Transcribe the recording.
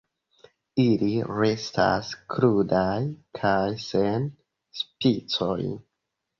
Ili restas krudaj kaj sen spicoj.